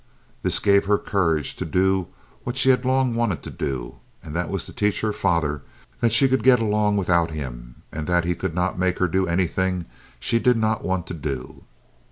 This gave her courage to do what she had long wanted to do, and that was to teach her father that she could get along without him and that he could not make her do anything she did not want to do.